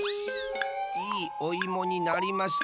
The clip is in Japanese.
いいおいもになりました。